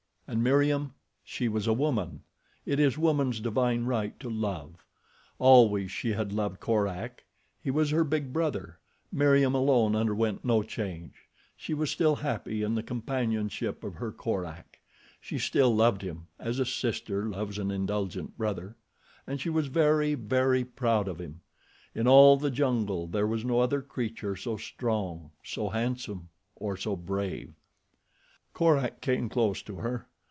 And Meriem? She was a woman. It is woman's divine right to love. Always she had loved Korak. He was her big brother. Meriem alone underwent no change. She was still happy in the companionship of her Korak. She still loved him—as a sister loves an indulgent brother—and she was very, very proud of him. In all the jungle there was no other creature so strong, so handsome, or so brave. Korak came close to her.